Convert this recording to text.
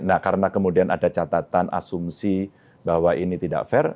nah karena kemudian ada catatan asumsi bahwa ini tidak fair